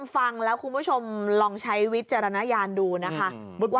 ฟังแล้วคุณผู้ชมลองใช้วิจารณญาณดูนะคะ